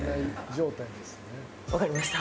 わかりました。